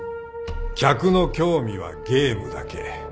客の興味はゲームだけ。